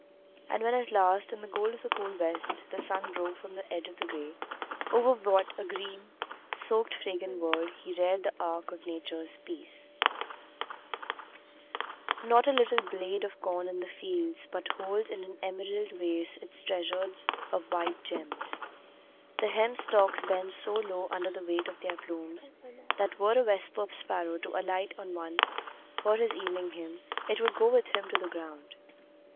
And when at last in the gold of the cool west the sun broke from the edge of the gray, over what a green, soaked, fragrant world he reared the arch of Nature's peace! [Illustration: A COURTSHIP. Photogravure from Painting by H. Vogka.] Not a little blade of corn in the fields but holds in an emerald vase its treasures of white gems. The hemp stalks bend so low under the weight of their plumes, that were a vesper sparrow to alight on one for his evening hymn, it would go with him to the ground.